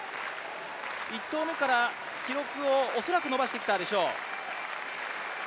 １投目から記録を恐らく伸ばしてきたでしょう。